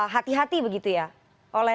hati hati begitu ya oleh